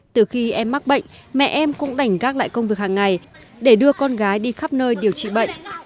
từ khi em mắc bệnh mẹ em cũng đành gác lại công việc hàng ngày để đưa con gái đi khắp nơi điều trị bệnh